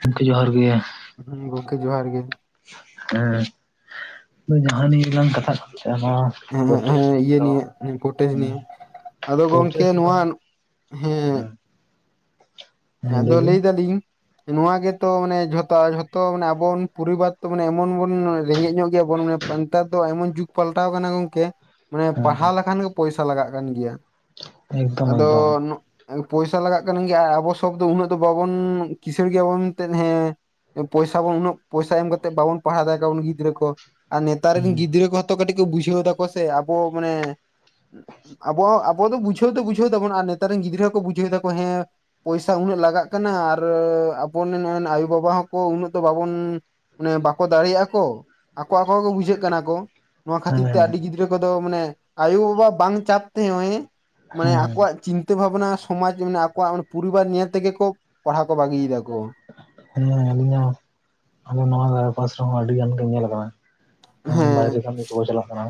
ᱜᱚᱝᱠᱮ ᱡᱚᱦᱟᱨ ᱜᱮ᱾ ᱦᱩᱸ ᱜᱚᱝᱠᱮ ᱡᱚᱦᱟᱨ ᱜᱮ ᱦᱮᱸ, ᱡᱟᱦᱟᱸ ᱱᱤᱭᱟᱹ ᱞᱟᱝ ᱠᱟᱛᱷᱟᱜ ᱠᱟᱱ ᱛᱟᱦᱮᱸᱜ-ᱟ ᱱᱚᱣᱟ ᱦᱮᱸ ᱦᱮᱸ ᱯᱨᱚᱴᱮᱥᱴ ᱦᱮᱸ ᱤᱭᱟᱹ ᱫᱚ ᱱᱤᱭᱮ ᱯᱚᱴᱮᱥ ᱱᱤᱭᱮ᱾ ᱟᱫᱚ ᱜᱚᱝᱠᱮ ᱯᱨᱚᱴᱮᱥᱴ ᱫᱚ ᱱᱚᱣᱟ ᱦᱮᱸ᱾ ᱦᱮᱸ ᱟᱫᱚ ᱵᱤᱱ ᱞᱟᱹᱭ ᱫᱟᱞᱤᱧ ᱱᱚᱣᱟ ᱜᱮᱛᱚ ᱢᱟᱱᱮ ᱡᱷᱚᱛᱚ ᱡᱷᱚᱛᱚ ᱢᱟᱱᱮ ᱟᱵᱚᱱ ᱯᱚᱨᱤᱵᱟᱨ ᱛᱚ ᱢᱟᱱᱮ ᱮᱢᱚᱱ ᱵᱚᱱ ᱨᱮᱸᱜᱮᱡ ᱧᱚᱜ ᱜᱮᱭᱟᱵᱚᱱ ᱢᱟᱱᱮ ᱱᱮᱛᱟᱨ ᱫᱚ ᱮᱢᱚᱱ ᱡᱩᱜᱽ ᱯᱟᱞᱴᱟᱣ ᱠᱟᱱᱟ ᱜᱚᱝᱠᱮ, ᱢᱟᱱᱮ ᱦᱮᱸ ᱯᱟᱲᱦᱟᱣ ᱦᱮᱸ ᱞᱮᱠᱷᱟᱱ ᱜᱮ ᱯᱚᱭᱥᱟ ᱞᱟᱜᱟ ᱠᱟᱱ ᱜᱮᱭᱟ, ᱮᱠᱫᱚᱢ ᱟᱫᱚ ᱮᱠᱫᱚᱢ ᱱᱚᱜᱮᱸ ᱯᱚᱭᱥᱟ ᱞᱟᱜᱟᱜ ᱠᱟᱱ ᱜᱮᱭᱟ ᱟᱵᱚ ᱥᱚ [inaudible] ᱫᱚ ᱩᱱᱟᱹᱜ ᱫᱚ ᱵᱟᱵᱚᱱ ᱠᱤᱥᱟᱹᱬ ᱜᱮᱭᱟᱵᱚᱱ ᱢᱮᱱᱛᱮᱫ ᱦᱮᱸ ᱯᱚᱭᱥᱟ ᱵᱚᱱ ᱩᱱᱟᱹᱜ, ᱯᱚᱭᱥᱟ ᱮᱢ ᱠᱟᱛᱮᱜ ᱵᱟᱵᱚᱱ ᱯᱟᱲᱟᱣ [unintelligible] ᱠᱚᱣᱟ ᱵᱚᱱ ᱜᱤᱫᱽᱨᱟᱹ ᱠᱚ᱾ ᱟᱨ ᱱᱮᱛᱟᱨ ᱦᱮᱸ ᱨᱮᱱ ᱜᱤᱫᱽᱨᱟᱹ ᱠᱚᱦᱚᱛᱚ ᱠᱟᱹᱴᱤᱡ ᱠᱚ ᱵᱩᱡᱷᱟᱹᱣ ᱫᱟᱠᱚ ᱥᱮ ᱟᱵᱚ ᱢᱟᱱᱮ ᱟᱵᱚ ᱦᱚᱸ, ᱟᱵᱚ ᱫᱚ ᱵᱩᱡᱷᱟᱹᱣ ᱫᱚ ᱵᱩᱡᱷᱟᱹᱣ ᱫᱟᱵᱚᱱ ᱟᱨ ᱱᱮᱛᱟᱨ ᱨᱮᱱ ᱜᱤᱫᱽᱨᱟᱹ ᱦᱚᱸ ᱠᱚ ᱵᱩᱡᱷᱟᱹᱣ ᱫᱟᱠᱚ ᱦᱮᱸ ᱯᱚᱭᱥᱟ ᱩᱱᱟᱹᱜ ᱞᱟᱜᱟᱜ ᱠᱟᱱᱟ ᱟᱨ ᱟᱵᱚ [unintelligible] ᱟᱭᱩ ᱵᱟᱵᱟ ᱦᱚᱸ ᱠᱚ ᱩᱱᱟ ᱫᱚ ᱵᱟᱵᱚᱱ ᱚᱱᱮ ᱵᱟᱠᱚ ᱫᱟᱲᱮᱭᱟᱜᱼᱟ ᱠᱚ, ᱟᱠᱚ ᱟᱠᱚ ᱜᱮᱠᱚ ᱵᱩᱡᱷᱟᱹᱜ ᱠᱟᱱᱟ ᱠ, ᱱᱚᱣᱟ ᱠᱷᱟᱹᱛᱤᱨ ᱛᱮ ᱦᱮᱸ ᱟᱹᱰᱤ ᱜᱤᱫᱽ ᱨᱟᱹ ᱠᱚᱫᱚ ᱢᱟᱱᱮ, ᱟᱭᱳ ᱵᱟᱵᱟ ᱵᱟᱝ ᱪᱟᱯ ᱛᱮ, [unintelligible] ᱢᱟᱱᱮ ᱦᱮᱸ ᱟᱠᱚᱣᱟᱜ ᱪᱤᱱ ᱛᱟᱹ ᱵᱷᱟᱵᱱᱟ ᱥᱚᱢᱟᱡᱽ ᱢᱟᱱᱮ ᱟᱠᱚᱣᱟᱜ ᱚᱱᱟ ᱯᱚᱨᱤᱵᱟᱨ ᱧᱮᱞ ᱛᱮᱜᱮ ᱠᱚ ᱞ, ᱯᱟᱲᱦᱟᱣ ᱠᱚ ᱵᱟᱜᱤᱭ ᱫᱟᱠᱚ᱾ ᱦᱮᱸ ᱟᱞᱤᱧ ᱦᱚᱸ, ᱟᱞᱮ ᱱᱚᱣᱟ ᱯᱟᱥ ᱨᱮ ᱦᱚᱸ ᱟᱹᱰᱤ ᱜᱟᱱ ᱜᱮ ᱧᱮᱞ ᱟᱠᱟᱱᱟ᱾ ᱩᱸ ᱦᱮᱸ ᱵᱟᱭᱨᱮ ᱠᱟᱢᱤ ᱠᱚ ᱪᱟᱞᱟᱜ ᱠᱟᱱᱟ᱾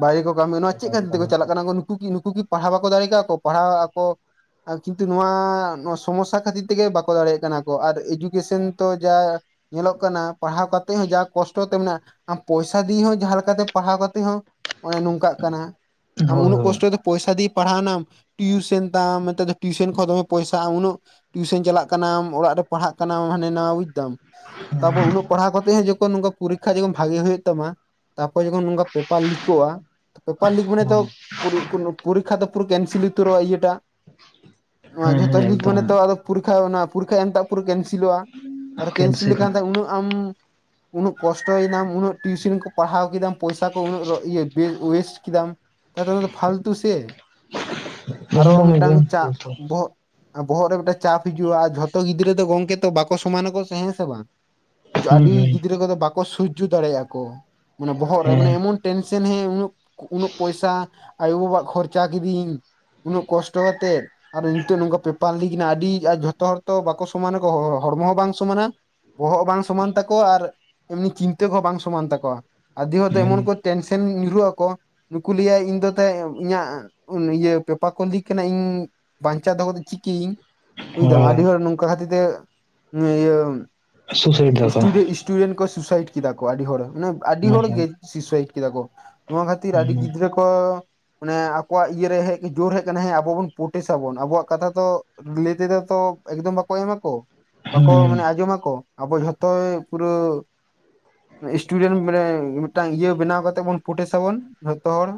ᱵᱟᱭᱨᱮ ᱠᱚ ᱠᱟᱢᱤ, ᱱᱚᱣᱟ ᱪᱮᱫ ᱵᱟᱭᱨᱮ ᱠᱷᱟᱹᱛᱤᱨ ᱛᱮᱠᱚ ᱠᱟᱹᱢᱤ ᱪᱟᱞᱟᱜ ᱠᱟᱱᱟ ᱠᱚ, ᱱᱩᱠᱩ ᱠᱤ ᱱᱩᱠᱩ ᱠᱤ ᱯᱟᱲᱦᱟᱣ ᱵᱟᱠᱚ ᱫᱟᱲᱮ ᱠᱟᱜ ᱠᱚ, ᱯᱟᱲᱦᱟᱣ ᱟᱠᱚ ᱟᱸ ᱠᱤᱱᱛᱩ ᱱᱚᱣᱟ ᱥᱚᱢᱚᱥᱥᱟ ᱠᱷᱟᱹᱛᱤᱨ ᱛᱮᱜᱮ ᱵᱟᱠᱚ ᱫᱟᱲᱮᱜ ᱠᱟᱱᱟ ᱠᱚ ᱟᱨ ᱮᱡᱩᱠᱮᱥᱚᱱ ᱛᱚ ᱡᱟ ᱧᱮᱞᱚᱜ ᱠᱟᱱᱟ ᱯᱟᱲᱦᱟᱣ ᱠᱟᱛᱮᱫ ᱦᱚᱸ ᱡᱟ ᱠᱚᱥᱴᱚ ᱛᱮ ᱢᱮᱱᱟᱜᱼᱟ, ᱟᱢ ᱯᱚᱭᱥᱟ ᱫᱤᱭᱮ ᱦᱚᱸ ᱡᱟᱦᱟᱸ ᱞᱮᱠᱟᱛᱮ ᱯᱟᱲᱦᱟᱣ ᱠᱟᱛᱮ ᱦᱚᱸ ᱦᱚᱸᱜ-ᱚᱭ ᱱᱚᱝᱠᱟᱜ ᱠᱟᱱᱟ, ᱟᱢ ᱩᱱᱟᱹᱜ ᱦᱳᱭ ᱠᱚᱥᱴᱚ ᱫᱚ ᱯᱚᱭᱥᱟ ᱫᱤᱭᱮ ᱯᱟᱲᱦᱟᱣ ᱱᱟᱢ ᱴᱤᱭᱩᱥᱮᱱ ᱛᱟᱢ ᱱᱮᱛᱟᱨ ᱫᱚ ᱴᱤᱭᱩᱥᱮᱱ ᱠᱷᱚᱱ ᱫᱚᱢᱮ ᱯᱚᱭᱥᱟ ᱩᱱᱟᱹᱜ ᱴᱤᱭᱩᱥᱚᱱ ᱪᱟᱞᱟᱜ ᱠᱟᱱᱟᱢ ᱚᱲᱟᱜ ᱨᱮ ᱯᱟᱲᱦᱟᱜ ᱠᱟᱱᱟᱢ ᱦᱟᱱᱮ ᱱᱟᱣᱟ ᱵᱩᱡᱽ ᱫᱟᱢ ᱛᱟᱯᱚᱨ ᱩᱱᱟᱹᱜ ᱯᱟᱲᱦᱟᱣ ᱠᱟᱛᱮ ᱦᱚᱸ ᱡᱚᱠᱷᱚᱱ ᱱᱚᱝᱠᱟᱱ ᱯᱚᱨᱤᱠᱠᱷᱟ ᱡᱚᱠᱷᱚᱱ ᱵᱷᱟᱜᱤ ᱦᱩᱭᱩᱜ ᱛᱟᱢᱟ ᱛᱟᱨᱯᱚᱨ ᱡᱚᱠᱷᱚᱱ ᱱᱚᱝᱠᱟ ᱯᱮᱯᱟᱨ ᱞᱤᱠᱚᱜᱼᱟ ᱾ ᱯᱮᱯᱟᱨ ᱞᱤᱠ ᱢᱟᱱᱮ ᱛᱚ ᱦᱳᱭ ᱯᱚᱨᱤ ᱯᱚᱨᱤᱠᱷᱟ ᱛᱚ ᱯᱩᱨᱟᱹ ᱠᱮᱱᱥᱮᱞ ᱩᱛᱟᱹᱨ ᱟ ᱤᱭᱟᱹ ᱴᱟᱜ ᱾ ᱦᱮᱸ ᱡᱚᱛᱚ ᱦᱮᱸ ᱞᱤᱠ ᱮᱠᱫᱚᱢ ᱢᱟᱱᱮ ᱛᱚ ᱟᱫᱚ ᱯᱚᱨᱤᱠᱷᱟ ᱚᱱᱟ ᱯᱚᱨᱤᱠᱷᱟ ᱮᱢᱴᱟᱜ ᱯᱩᱨᱟᱹ ᱠᱮᱱᱥᱮᱞᱚᱜᱼᱟ, ᱛᱟᱦᱞᱮ ᱠᱮᱱᱥᱮᱞ ᱞᱮᱠᱷᱟᱱ ᱩᱱᱟᱹᱜ ᱟᱢ ᱩᱱᱟᱹᱜ ᱠᱚᱥᱴᱚᱭᱮᱱᱟᱢ ᱩᱱᱟᱹᱜ ᱴᱤᱭᱩᱥᱚᱱ ᱠᱚ ᱯᱟᱲᱦᱟᱣ ᱠᱮᱫᱟᱢ ᱯᱚᱭᱥᱟ ᱠᱚ ᱩᱱᱟᱹᱜ ᱨᱚ ᱤᱭᱟᱹ ᱵᱮ ᱳᱭᱮᱥᱴ ᱠᱤᱫᱟᱢ ᱛᱟᱦᱞᱮ ᱛᱚ ᱚᱱᱟ ᱫᱚ ᱯᱷᱟᱞᱛᱩ ᱥᱮ? ᱟᱨᱚ ᱮᱠᱫᱚᱢ ᱢᱮᱫᱴᱟᱝ ᱮᱠᱫᱚᱢ ᱪᱟᱯ ᱦᱩᱸ ᱵᱚᱦᱚᱜ ᱟᱨ ᱵᱚᱦᱚᱜ ᱨᱮ ᱢᱤᱫᱴᱮᱱ ᱪᱟᱯ ᱦᱤᱡᱩᱜᱼᱟ ᱾ ᱟᱨ ᱡᱷᱚᱛᱚ ᱜᱤᱫᱽᱨᱟᱹ ᱫᱚ ᱜᱚᱝᱠᱮ ᱛᱚ ᱵᱟᱠᱚ ᱥᱚᱢᱟᱱᱟ ᱠᱚ ᱥᱮ ᱦᱮᱸ ᱥᱮ ᱵᱟᱝ? ᱟᱹᱰᱤ ᱦᱩᱸ ᱜᱤᱫᱽᱨᱟᱹ ᱠᱚᱫᱚ ᱵᱟᱠᱚ ᱥᱩᱡᱡᱚ ᱫᱟᱲᱮᱭᱟᱜᱼᱟ ᱠᱚ ᱢᱟᱱᱮ ᱵᱚᱦᱚᱜ ᱨᱮ ᱢᱟᱱᱮ ᱦᱮᱸ ᱮᱢᱚᱱ ᱴᱮᱱᱥᱮᱱ ᱦᱮ ᱩᱱᱟᱹᱜ ᱯᱚᱭᱥᱟ ᱟᱭᱳᱼ ᱵᱟᱵᱟᱜ ᱠᱷᱚᱨᱪᱟ ᱠᱤᱫᱤᱧ ᱾ ᱩᱱᱟᱹᱜ ᱠᱚᱥᱴᱚ ᱠᱟᱛᱮᱫ ᱟᱨ ᱱᱤᱛᱚᱜ ᱱᱚᱝᱠᱟ ᱯᱮᱯᱟᱨ ᱞᱤᱠ ᱮᱱᱟ ᱟᱹᱰᱤ ᱟᱨ ᱡᱷᱚ ᱡᱚᱛᱚ ᱦᱚᱲ ᱛᱚ ᱵᱟᱠᱚ ᱥᱚᱢᱟᱱᱟᱠᱚ, ᱦᱚᱲᱢᱚ ᱦᱚᱸ ᱵᱟᱝ ᱥᱚᱢᱟᱱᱟ ᱾ ᱵᱚᱦᱚᱜ ᱵᱟᱝ ᱥᱚᱢᱟᱱ ᱛᱟᱠᱚᱣᱟ ᱟᱨ ᱮᱢᱱᱤ ᱪᱤᱱᱛᱟᱹ ᱠᱚᱦᱚᱸ ᱵᱟᱝ ᱥᱚᱢᱟᱱ ᱛᱟᱠᱚᱣᱟ, ᱟᱨᱫᱷᱤ ᱦᱚᱲ ᱫᱚ ᱦᱮᱸ ᱮᱢᱚᱱ ᱠᱚ ᱴᱮᱱᱥᱮᱱ ᱧᱩᱨᱦᱩᱜ ᱟᱠᱚ ᱱᱩᱠᱩ ᱞᱟᱹᱭᱟ ᱤᱧ ᱫᱚ ᱛᱮᱸ ᱤᱧᱟᱹᱜ ᱤᱭᱟᱹ ᱯᱮᱯᱟᱨ ᱠᱚ ᱞᱤᱠ ᱠᱟᱱᱟ ᱤᱧ ᱵᱟᱧᱪᱟᱣ ᱫᱚᱦᱚ ᱠᱟᱛᱮ ᱪᱤᱠᱟᱹᱭᱤᱧ ᱵᱩᱡᱽ ᱫᱟᱢ ᱦᱳᱭ ᱟᱹᱰᱤ ᱦᱚᱲ ᱱᱚᱝᱠᱟ ᱠᱷᱟᱹᱛᱤᱨ ᱛᱮ ᱥᱩᱥᱟᱭᱤᱰ ᱤᱭᱟᱹ ᱫᱟᱠᱚ ᱥᱴᱩᱰᱮ ᱤᱥ ᱤᱥᱴᱩᱰᱮᱱᱴ ᱠᱚ ᱥᱩᱥᱟᱭᱤᱴ ᱠᱮᱫᱟ ᱠᱚ ᱟᱹᱰᱤ ᱦᱚᱲ ᱢᱟᱱᱮ ᱟᱹᱰᱤ ᱦᱮᱸ ᱦᱚᱲ ᱦᱮᱸ ᱜᱮ ᱥᱩᱥᱟᱭᱤᱴ ᱠᱮᱫᱟ ᱠᱚ ᱾ ᱱᱚᱣᱟ ᱠᱷᱟᱹᱛᱤᱨ ᱟᱹᱰᱤ ᱦᱩᱸ ᱜᱤᱫᱽᱨᱟᱹ ᱠᱚ ‌ ᱢᱟᱱᱮ ᱟᱠᱚᱣᱟᱜ ᱤᱭᱟᱹ ᱨᱮ ᱦᱮᱡ ᱡᱳᱨ ᱦᱮᱡ ᱟᱠᱟᱱᱟ ᱦᱮᱸ ᱟᱵᱚ ᱵᱚᱱ ᱯᱨᱴᱮᱥ ᱟᱵᱚᱱ ᱟᱵᱚᱣᱟᱜ ᱠᱟᱛᱷᱟ ᱛᱚ ᱞᱟᱹᱭ ᱛᱮᱫᱚ ᱛᱚ ᱮᱠᱫᱚᱢ ᱵᱟᱠᱚ ᱮᱢᱟ ᱠᱚ ᱵᱟᱠᱚ ᱦᱮᱸ ᱢᱟᱱᱮ ᱟᱸᱡᱚᱢ ᱟᱠᱚ ᱾ ᱟᱵᱚ ᱡᱷᱚᱛᱚ ᱯᱩᱨᱟᱹ ᱤᱥᱴᱩᱰᱮᱱᱴ ᱢᱤᱫᱴᱟᱝ ᱤᱭᱟᱹ ᱵᱮᱱᱟᱣ ᱠᱟᱛᱮ ᱵᱚᱱ ᱯᱚᱴᱮᱥ ᱟᱵᱚᱱ ᱡᱚᱛᱚ ᱦᱚᱲ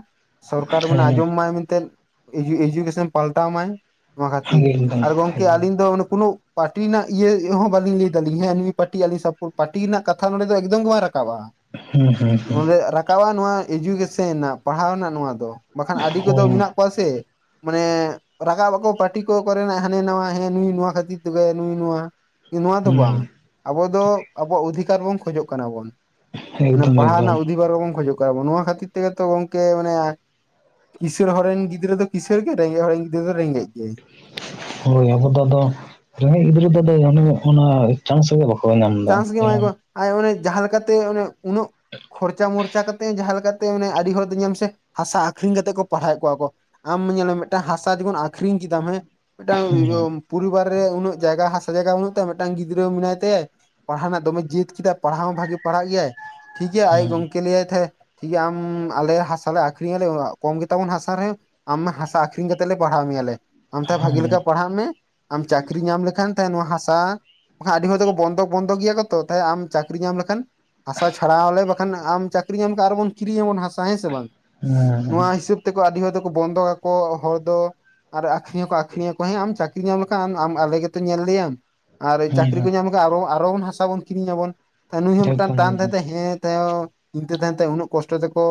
ᱥᱚᱨᱠᱟᱨ ᱢᱟᱱᱮ ᱟᱸᱡᱚᱢ ᱢᱟᱭ ᱢᱮᱱᱛᱮᱫ ᱤᱡᱩ ᱤᱡᱩᱠᱮᱥᱚᱱ ᱯᱟᱞᱴᱟᱣ ᱢᱟᱭ ᱱᱚᱣᱟ ᱦᱮᱸ ᱠᱷᱟᱹᱛᱤᱨ ᱮᱠᱫᱚᱢ ᱟᱨ ᱜᱚᱝᱠᱮ ᱮᱠᱫᱚᱢ ᱟᱹᱞᱤᱧ ᱫᱚ ᱚᱱᱮ ᱠᱳᱱᱳ ᱯᱟᱴᱤ ᱨᱮᱱᱟᱜ ᱤᱭᱟᱹ ᱦᱚᱸ ᱵᱟᱞᱤᱧ ᱞᱟᱹᱭ ᱫᱟᱞᱤᱧ ᱦᱮᱸ ᱱᱩᱭ ᱯᱟᱴᱤ ᱟᱹᱞᱤᱧ ᱥᱟᱯᱳ ᱯᱟᱴᱤ ᱨᱮᱱᱟᱜ ᱠᱟᱛᱷᱟ ᱱᱚᱸᱰᱮ ᱫᱚ ᱮᱠᱫᱚᱢ ᱜᱮ ᱵᱟᱝ ᱨᱟᱠᱟᱵ-ᱟ ᱦᱩᱸ ᱦᱩᱸ ᱾ ᱦᱩᱸ ᱱᱚᱸᱰᱮ ᱨᱟᱠᱟᱵ-ᱟ ᱱᱚᱣᱟ ᱤᱡᱩᱠᱮᱥᱚᱱ ᱨᱮᱱᱟᱜ ᱯᱟᱲᱦᱟᱣ ᱨᱮᱱᱟᱜ ᱱᱚᱣᱟ ᱫᱚ ᱾ ᱵᱟᱠᱷᱟᱱ ᱟᱹᱰᱤ ᱠᱚᱫᱚ ᱦᱳᱭ ᱢᱮᱱᱟᱜ ᱠᱚᱣᱟ ᱥᱮ ᱢᱟᱱᱮ ᱨᱟᱠᱟᱵ ᱟᱠᱚ ᱯᱟᱨᱴᱤ ᱠᱚ ᱠᱚᱨᱮᱱᱟᱜ ᱦᱟᱱᱮ ᱱᱟᱣᱟ ᱦᱮᱸ ᱱᱩᱭ ᱱᱚᱣᱟ ᱠᱷᱟᱹᱛᱤᱨ ᱛᱮᱜᱮ ᱱᱩᱭ ᱱᱚᱣᱟ ᱾ ᱱᱚᱣᱟ ᱫᱚ ᱵᱟᱝ ᱟᱵᱚ ᱫᱚ ᱟᱵᱚᱣᱟᱜ ᱚᱫᱷᱤᱠᱟᱨ ᱵᱚᱱ ᱠᱷᱚᱡᱚᱜ ᱠᱟᱱᱟ ᱵᱚᱱ ᱦᱩᱸ ᱾ ᱢᱟᱱᱮ ᱮᱠᱫᱚᱢ ᱯᱟᱲᱦᱟᱣ ᱮᱠᱫᱚᱢ ᱨᱮᱱᱟᱜ ᱚᱫᱷᱤᱵᱟᱨ ᱵᱚᱱ ᱠᱷᱚᱡᱚᱜ ᱠᱟᱱᱟ ᱵᱚᱱ, ᱱᱚᱣᱟ ᱠᱷᱟᱹᱛᱤᱨ ᱛᱮᱜᱮ ᱛᱚ ᱜᱚᱝᱠᱮ ᱢᱟᱱᱮ ᱠᱤᱥᱟᱹᱲ ᱦᱚᱲ ᱨᱮᱱ ᱜᱤᱫᱽᱨᱟᱹ ᱫᱚ ᱠᱤᱥᱟᱹᱲ ᱜᱮ ᱨᱮᱸᱜᱮᱡ ᱦᱚᱲ ᱨᱮᱱ ᱜᱤᱫᱽᱨᱟᱹ ᱫᱚ ᱨᱮᱸᱜᱮᱡ ᱜᱮ ᱾ ᱦᱳᱭ ᱟᱵᱚ ᱫᱚ ᱟᱫᱚ ᱨᱮᱸᱜᱮᱡ ᱜᱤᱫᱽᱨᱟᱹ ᱫᱚ ᱚᱱᱟ ᱪᱟᱱᱥ ᱜᱮ ᱵᱟ ᱪᱟᱱᱥ ᱜᱮ ᱮᱢᱟᱭᱟᱠᱚ ᱟᱨ ᱚᱱᱮ ᱡᱟᱦᱟᱸ ᱞᱮᱠᱟᱛᱮ ᱚᱱᱮ ᱩᱱᱟᱹᱜ ᱠᱷᱚᱨᱪᱟ ᱢᱚᱨᱪᱟ ᱠᱟᱛᱮᱫ ᱡᱟᱦᱟᱸ ᱞᱮᱠᱟᱛᱮ ᱢᱟᱱᱮ ᱟᱹᱰᱤ ᱦᱚᱲ ᱫᱚ ᱧᱮᱞ ᱢᱮᱥᱮ ᱦᱟᱥᱟ ᱟᱠᱷᱨᱤᱧ ᱠᱟᱛᱮᱫ ᱠᱚ ᱯᱟᱲᱦᱟᱣᱮᱫ ᱠᱚᱣᱟ ᱠᱚ ᱟᱢ ᱧᱮᱞ ᱢᱮ ᱢᱮᱫᱴᱟᱝ ᱦᱟᱥᱟ ᱡᱚᱠᱷᱚᱱ ᱟᱠᱷᱨᱤᱧ ᱠᱮᱫᱟᱢ ᱦᱮᱸ ᱢᱤᱫᱴᱟᱝ ᱦᱮᱸ ᱯᱚᱨᱤᱵᱟᱨ ᱨᱮ ᱩᱱᱟᱹᱜ ᱡᱟᱭᱜᱟ ᱦᱟᱥᱟ ᱡᱟᱭᱜᱟ ᱵᱟᱹᱱᱩᱜ ᱛᱟᱭᱟ ᱢᱤᱫᱴᱟᱝ ᱜᱤᱫᱽᱨᱟᱹ ᱢᱮᱱᱟᱭ ᱛᱟᱭᱟᱭ ᱯᱟᱲᱦᱟᱣ ᱨᱮᱱᱟᱜ ᱫᱚᱢᱮ ᱡᱮᱛ ᱠᱮᱫᱟ ᱯᱟᱲᱦᱟᱣ ᱦᱚᱸ ᱵᱷᱟᱜᱮ ᱯᱟᱲᱦᱟᱜ ᱜᱮᱭᱟᱭ ᱴᱷᱤᱠ ᱜᱮᱭᱟ, ᱟᱡᱤᱡ ᱦᱮᱸ ᱜᱚᱝᱠᱮ ᱞᱟᱹᱭᱟᱭ ᱛᱟᱦᱮᱸ ᱴᱷᱤᱠ ᱜᱮᱭᱟ ᱟᱢ ᱟᱞᱮ ᱦᱟᱥᱟ ᱞᱮ ᱟᱠᱷᱨᱤᱧ ᱟᱞᱮ ᱠᱚᱢ ᱜᱮᱛᱟ ᱵᱚᱱ ᱦᱟᱥᱟ ᱨᱮ ᱟᱢ ᱦᱟᱥᱟ ᱟᱹᱷᱨᱤᱧ ᱠᱟᱛᱮᱫ ᱞᱮ ᱯᱟᱲᱦᱟᱣ ᱢᱮᱭᱟ ᱞᱮ ᱾ ᱟᱢ ᱛᱟᱦᱮ ᱦᱮᱸ ᱵᱷᱟᱜᱤ ᱞᱮᱠᱟ ᱯᱟᱲᱦᱟᱜ ᱢᱮ ᱟᱢ ᱪᱟᱠᱨᱤ ᱧᱟᱢ ᱞᱮᱠᱷᱟᱱ ᱛᱟᱦᱮ ᱱᱚᱣᱟ ᱦᱟᱥᱟ, ᱵᱟᱠᱷᱟᱱ ᱟᱹᱰᱤ ᱦᱚᱲ ᱫᱚᱠᱚ ᱵᱚᱱᱫᱷᱚᱠ ᱵᱚᱱᱫᱷᱚᱠ ᱜᱮᱭᱟ ᱠᱚ ᱛᱚ, ᱛᱟᱭ ᱟᱢ ᱪᱟᱹᱠᱨᱤ ᱧᱟᱢ ᱞᱮᱠᱷᱟᱱ ᱦᱟᱥᱟ ᱪᱷᱟᱲᱟᱣ ᱟᱞᱮ ᱵᱟᱠᱷᱟᱱ ᱟᱢ ᱪᱟᱹᱠᱨᱤ ᱧᱟᱢ ᱞᱮᱠᱷᱟᱱ ᱟᱨᱵᱚᱱ ᱠᱤᱨᱤᱧ ᱟᱵᱚᱱ ᱦᱟᱥᱟ ᱦᱮᱸ ᱥᱮ ᱵᱟᱝ? ᱦᱮᱸ ᱱᱚᱣᱟ ᱦᱤᱥᱟᱹᱵ ᱛᱮᱠᱚ ᱟᱹᱰᱤ ᱦᱚᱲ ᱫᱚᱠᱚ ᱵᱚᱱᱫᱚ ᱟᱠᱚ ᱦᱚᱲ ᱫᱚ ᱾ ᱟᱨ ᱟᱠᱷᱨᱤᱧ ᱦᱚᱸᱠᱚ ᱟᱠᱷᱨᱤᱧᱟᱠᱚ ᱦᱮᱸ ᱟᱢ ᱪᱟᱹᱠᱨᱤ ᱧᱟᱢ ᱞᱮᱠᱷᱟᱱ ᱟᱢ ᱟᱞᱮ ᱜᱮᱛᱚ ᱧᱮᱞ ᱞᱮᱭᱟᱢ ᱾ ᱟᱨ ᱦᱮᱸ ᱪᱟᱹᱠᱨᱤ ᱠᱚ ᱦᱮᱸ ᱧᱟᱢ ᱞᱮᱠᱷᱟᱱ ᱟᱨᱚ ᱟᱨᱚ ᱵᱚᱱ ᱦᱟᱥᱟ ᱵᱚᱱ ᱠᱤᱨᱤᱧᱟ ᱵᱚᱱ ᱱᱩᱭ ᱦᱚᱸ ᱢᱤᱫᱴᱟᱱ ᱮᱠᱫᱚᱢ ᱴᱟᱱ ᱛᱟᱭᱚᱢ ᱫᱷᱟᱭ ᱮᱠᱫᱚᱢ ᱛᱮ ᱦᱮᱸ ᱛᱟᱭᱚᱢ ᱪᱤᱱᱛᱟᱹ ᱛᱟᱦᱮᱱ ᱛᱟᱭᱟ ᱩᱱᱟᱹᱜ ᱠᱚᱥᱴᱚ ᱛᱮᱠᱚ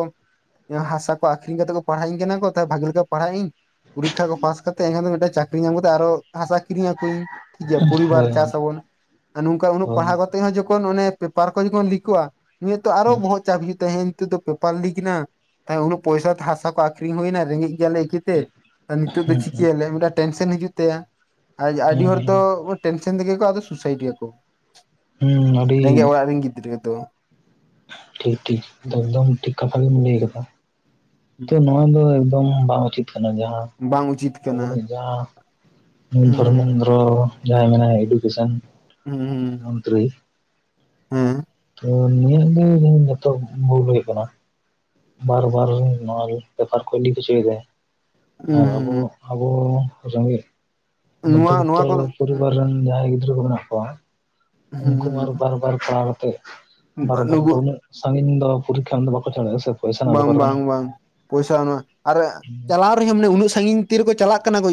ᱦᱟᱥᱟ ᱠᱚ ᱟᱠᱷᱨᱤᱧ ᱠᱟᱛᱮ ᱠᱚ ᱯᱟᱲᱦᱟᱭᱤᱧ ᱠᱟᱱᱟ ᱠᱚ ᱛᱚ ᱵᱷᱟᱜᱤ ᱞᱮᱠᱟ ᱯᱟᱲᱦᱟᱜ ᱤᱧ ᱯᱚᱨᱤᱠᱠᱷᱟ ᱠᱚ ᱯᱟᱥ ᱠᱟᱛᱮ [unintelligible] ᱢᱤᱫᱴᱟᱱ ᱪᱟᱹᱠᱨᱤ ᱧᱟᱢ ᱠᱟᱛᱮ ᱟᱨᱚ ᱦᱟᱥᱟ ᱠᱤᱨᱤᱧᱟᱠᱚᱣᱤᱧ ᱴᱷᱤᱠ ᱜᱮᱭᱟ ᱯᱚᱨᱤᱵᱟᱨ ᱦᱳᱭ ᱪᱟᱥ ᱦᱳᱭ ᱟᱵᱚᱱ ᱟᱨ ᱱᱚᱝᱠᱟ ᱩᱱᱟᱹᱜ ᱦᱳᱭ ᱦᱮᱸ ᱛᱮ ᱦᱚᱸ ᱡᱚᱠᱷᱚᱱ ᱚᱱᱮ ᱯᱮᱯᱟᱨ ᱠᱚ ᱡᱚᱠᱷᱚᱱ ᱞᱤᱠᱚᱜᱼᱟ ᱩᱱᱤᱭᱟᱜ ᱛᱚ ᱟᱨᱚ ᱵᱚᱦᱚᱜ ᱪᱟᱯ ᱦᱤᱡᱩᱜ ᱛᱟᱭᱟ ᱦᱮ ᱛᱚ ᱯᱮᱯᱟᱨ ᱞᱤᱠ ᱱᱟ ᱛᱟ ᱩᱱᱚᱜ ᱯᱚᱭᱥᱟ ᱛᱮ ᱦᱟᱥᱟ ᱠᱚ ᱟᱠᱠᱷᱨᱤᱧ ᱦᱩᱭᱱᱟ ᱨᱮᱸᱜᱮᱡ ᱜᱮᱭᱟᱞᱮ ᱤᱠᱟᱹᱛᱮ ᱱᱤᱛᱚᱜ ᱫᱚ ᱪᱤᱠᱟᱹᱭᱟᱞᱮᱭᱟ ᱢᱤᱫᱴ ᱴᱮᱱᱥᱮᱱ ᱦᱤᱡᱩᱜ ᱛᱟᱭᱟ ᱟᱹᱰᱤ ᱦᱚᱲ ᱦᱮᱸ ᱫᱚ ᱦᱮᱸ ᱴᱮᱱᱥᱮᱱ ᱛᱮᱜᱮ ᱠᱚ ᱟᱫᱚ ᱥᱩᱥᱟᱭᱤᱰ ᱜᱮᱭᱟ ᱠᱚ ᱦᱩᱸ ᱟᱹᱰᱤ ᱨᱮᱸᱜᱮᱡ ᱚᱲᱟᱜ ᱨᱮᱱ ᱜᱤᱫᱽᱨᱟᱹ ᱫᱚ ᱴᱷᱤᱠ ᱴᱷᱤᱠ ᱮᱠᱫᱚᱢ ᱴᱷᱤᱠ ᱠᱟᱛᱷᱟ ᱜᱮᱢ ᱞᱟᱹᱭ ᱠᱮᱫᱟ ᱱᱚᱣᱟ ᱫᱚ ᱮᱠᱫᱚᱢ ᱵᱟᱝ ᱩᱪᱤᱛ ᱠᱟᱱᱟ ᱡᱟᱦᱟᱸ ᱵᱟᱝ ᱩᱪᱤᱛ ᱟᱵᱚ ᱠᱟᱱᱟ ᱨᱮᱱᱤᱡ ᱡᱟᱦᱟᱸ ᱦᱩᱸ ᱫᱷᱚᱨᱢᱮᱱᱫᱨᱚ ᱡᱟᱦᱟᱸᱭ ᱢᱮᱱᱟᱭᱟ ᱮᱰᱩᱠᱮᱥᱮᱱ ᱦᱩᱸ ᱦᱩᱸ ᱢᱚᱱᱛᱨᱤ ᱦᱮᱸ ᱛᱚ ᱱᱩᱭᱟᱜ ᱫᱚ [unintelligible] ᱵᱷᱩᱞ ᱦᱩᱭ ᱠᱟᱱᱟ᱾ ᱵᱟᱨ ᱵᱟᱨ ᱱᱚᱣᱟ ᱵᱮᱯᱟᱨ ᱠᱚᱭ ᱞᱤᱠ ᱦᱚᱪᱚᱭ ᱫᱟᱭ᱾ ᱟᱨ ᱟᱵᱚ ᱦᱩᱸ ᱟᱵᱚ ᱥᱟᱝᱜᱮ ᱱᱚᱣᱟ ᱱᱚᱣᱟ ᱢᱚᱫᱫᱷᱚᱵᱤᱛᱛᱚ ᱠᱚᱫᱚ ᱯᱚᱨᱤᱵᱟᱨ ᱨᱮᱱ ᱡᱟᱦᱟᱸᱭ ᱜᱤᱫᱽᱨᱟᱹ ᱠᱚ ᱢᱮᱱᱟᱜ ᱠᱚᱣᱟ᱾ ᱦᱩᱸ ᱩᱱᱠᱩ ᱢᱟ ᱟᱨ ᱦᱩᱸ ᱵᱟᱨ ᱵᱟᱨ ᱯᱟᱲᱦᱟᱣ ᱠᱟᱛᱮᱜ ᱵᱟᱨ ᱵᱟᱨ ᱱᱩᱠᱩ ᱫᱚ ᱩᱱᱟᱹᱜ ᱥᱟᱹᱜᱤᱧ ᱫᱚ ᱯᱚᱨᱤᱠᱠᱷᱟ ᱮᱢᱫᱚ ᱵᱟᱠᱚ ᱪᱟ ᱫᱟᱲᱮᱜ-ᱟ ᱥᱮ᱾ ᱯᱚᱭᱥᱟ ᱨᱮᱱᱟᱜ ᱵᱟᱝ ᱵᱮᱯᱟᱨ ᱠᱟᱱᱟ ᱵᱟᱝ ᱵᱟᱝ ᱯᱚᱭᱥᱟ ᱩᱱᱟᱹᱜ ᱟᱨ ᱪᱟᱞᱟᱣ ᱠᱚᱨᱮ ᱦᱚᱸ ᱢᱟᱱᱮ ᱩᱱᱟᱹᱜ ᱥᱟᱹᱜᱤᱧ ᱛᱤᱨᱮᱠᱚ ᱪᱟᱞᱟᱜ ᱠᱟᱱᱟ ᱠᱚ᱾